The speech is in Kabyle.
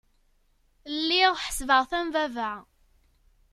Lliɣ ḥesbeɣ-t am baba.